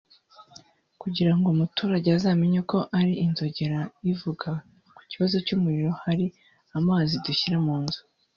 kugira ngo umuturage azamenye ko ari inzogera ivuga ku kibazo cy’umuriro hari amazi dushyira mu nzu